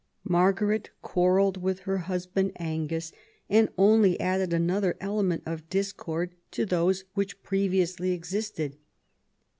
Margaret quarrelled with her husband Angus, and only added another element of discord to those which pre viously existed.